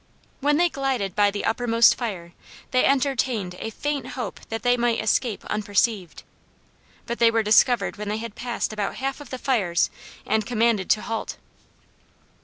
When they glided by the uppermost fire they entertained a faint hope that they might escape unperceived. But they were discovered when they had passed about half of the fires and commanded to halt.